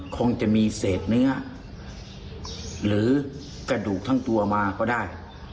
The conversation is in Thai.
คงจะมีเศษเนื้อหรือกระดูกทั้งตัวมาก็ได้